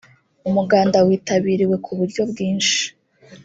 umuganda witabiriwe ku buryo bwinshi